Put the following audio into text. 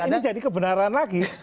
ini jadi kebenaran lagi